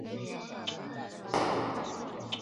陈式坦墓的历史年代为近代。